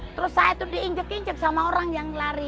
terus saya itu diinjek injek sama orang yang lari